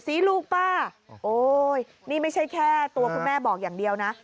ลูกป้าโอ้ยนี่ไม่ใช่แค่ตัวคุณแม่บอกอย่างเดียวนะ